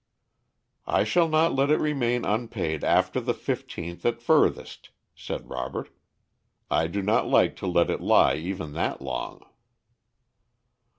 "I shall not let it remain unpaid after the fifteenth at furthest," said Robert. "I do not like to let it lie even that long."